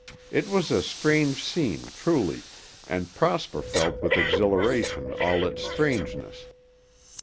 It was a strange scene truly, and Prosper felt with exhilaration all its strangeness.